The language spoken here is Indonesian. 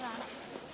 ran ran ran